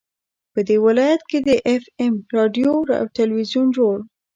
په دې ولايت كې د اېف اېم راډيو او ټېلوېزون جوړ